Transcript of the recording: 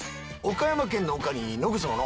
岡山県の「岡」に野グソの「野」